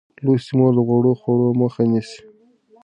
لوستې مور د غوړو خوړو مخه نیسي.